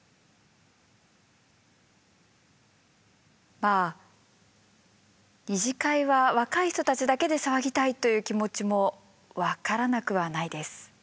まあ二次会は若い人たちだけで騒ぎたいという気持ちも分からなくはないです。